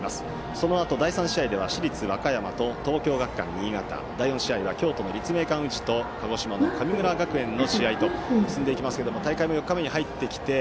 そのあと第３試合では市立和歌山と東京学館新潟第４試合は、京都の立命館宇治と鹿児島の神村学園の試合と進んでいきますけれども大会４日目に入ってきて